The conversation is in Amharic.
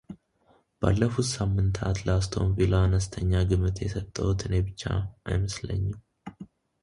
ባለፉት ሳምንታት ለአስቶን ቪላ አነስተኛ ግምት የሰጠሁት እኔ ብቻ አይመስለኝም።